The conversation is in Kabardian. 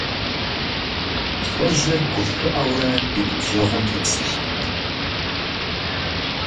ЛӀыжьыр гушыӀэурэ и ныбжьэгъум тепсэлъыхьырт.